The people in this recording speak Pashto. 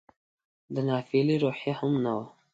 د ناپیېلې روحیه هم نه وه.